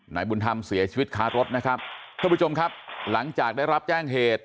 นายบุญธรรมเสียชีวิตคารถนะครับท่านผู้ชมครับหลังจากได้รับแจ้งเหตุ